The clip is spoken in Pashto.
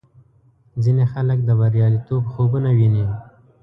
ځینې خلک د بریالیتوب خوبونه ویني.